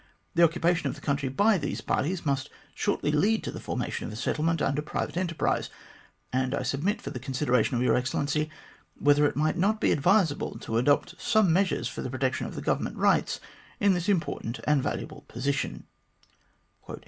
The occupation of the country by those parties must shortly lead to the formation of a settlement under private enterprise, and I submit for the consideration of your Excellency whether it may not be advisable to adopt some measures for the protection of the Government rights in this important and valuable position."